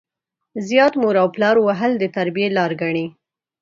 زيات مور او پلار وهل د تربيې لار ګڼي.